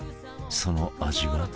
その味は？